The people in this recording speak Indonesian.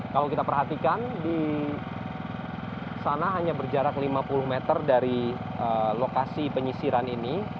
kalau kita perhatikan di sana hanya berjarak lima puluh meter dari lokasi penyisiran ini